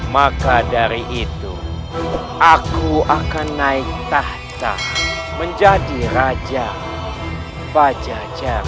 maka dari itu aku akan naik tahta menjadi raja bajajar